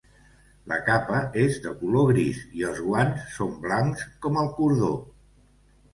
La capa és de color gris i els guants són blancs com el cordó.